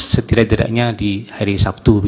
setidaknya di hari sabtu